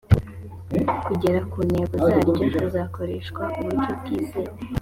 kugera ku ntego zaryo hazakoreshwa uburyo bwizewe